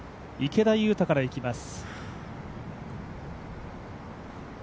池田勇太からいきます。